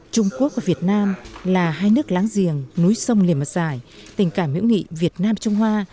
trung quốc và việt nam là hai nước láng giềng núi sông liềm mặt dài tình cảm hữu nghị việt nam trung hoa